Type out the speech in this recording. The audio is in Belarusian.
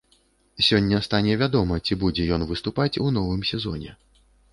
Сёння стане вядома, ці будзе ён выступаць у новым сезоне.